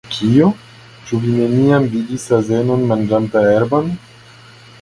Kio? Ĉu vi neniam vidis azenon manĝanta herbon?